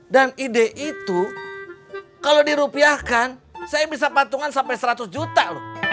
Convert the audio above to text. dan ide itu kalau dirupiahkan saya bisa patungan sampai seratus juta loh